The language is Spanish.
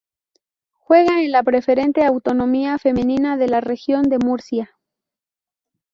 Juega en la Preferente Autonómica Femenina de la Región de Murcia